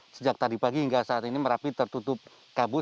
sejak tadi pagi hingga saat ini merapi tertutup kabut